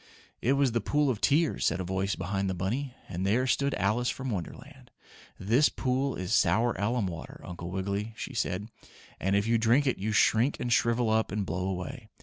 "It was the pool of tears," said a voice behind the bunny, and there stood Alice from Wonderland. "This pool is sour alum water, Uncle Wiggily," she said, "and if you drink it you shrink and shrivel up and blow away.